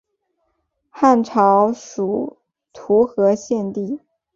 汉朝属徒河县地。